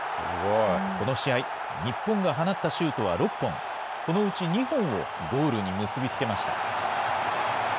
この試合、日本が放ったシュートは６本、このうち２本をゴールに結び付けました。